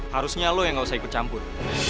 harusnya lo yang gak usah ikut campur